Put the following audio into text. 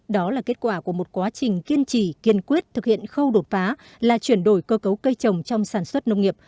đó là kết quả của một quá trình kiên trì kiên quyết thực hiện khâu đột phá là chuyển đổi cơ cấu cây trồng trong sản xuất nông nghiệp